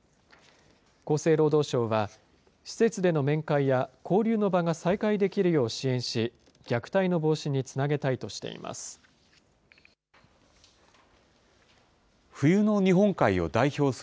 厚生労働省は、施設での面会や交流の場が再開できるよう支援し、虐待の防止につなげたいとしています。